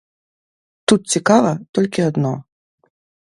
Тут цікава толькі адно.